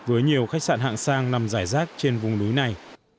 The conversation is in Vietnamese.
với nhiều khách sạn hạng sang nằm giải rác trên vùng núi này